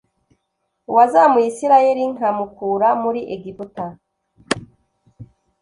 uwazamuye isirayeli nkamukura muri egiputa